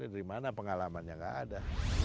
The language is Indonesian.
dari mana pengalamannya nggak ada